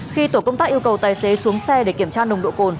khi tổ công tác yêu cầu tài xế xuống xe để kiểm tra nồng độ cồn